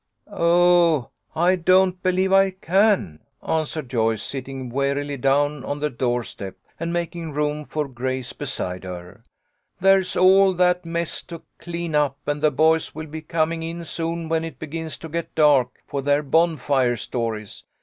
"Oh, I don't believe I can," answered Joyce, sitting wearily down on the doorstep, and making room for Grace beside her. " There's all that mess to clean up, and the boys will be coming in soon when it begins to get dark, for their bonfire stories.